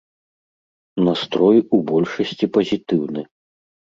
Настрой у большасці пазітыўны.